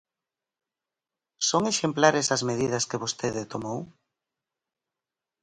¿Son exemplares as medidas que vostede tomou?